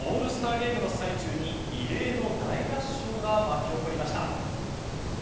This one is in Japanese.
ゲームの最中に異例の大合唱が巻き起こりました。